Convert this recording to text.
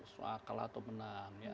soal kalah atau menang